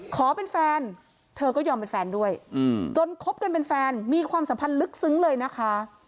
ขอเป็นแฟนเธอก็ยอมเป็นแฟนด้วยจนคบกันเป็นแฟนมีความสัมพันธ์ลึกซึ้งเลยนะคะ